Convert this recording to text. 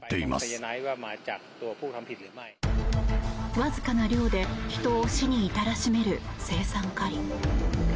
わずかな量で人を死に至らしめる青酸カリ。